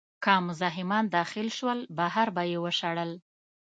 که مزاحمان داخل شول، بهر به یې وشړل.